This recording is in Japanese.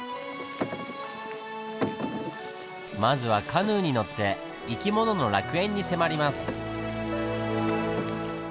まずはカヌーに乗って生き物の楽園に迫ります。